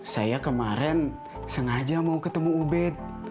saya kemarin sengaja mau ketemu ubed